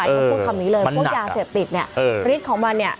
ต้องพูดคำนี้เลยพวกยาเสพติดเนี่ยฤทธิ์ของมันเนี่ย